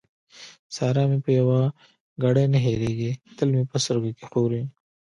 سارا مې په يوه ګړۍ نه هېرېږي؛ تل مې په سترګو کې ښوري.